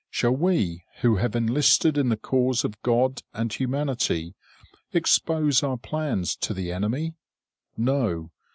Shall we who have enlisted in the cause of God and humanity expose our plans to the enemy? No!